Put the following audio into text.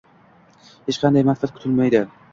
Hech qanday manfaat kutmaydi.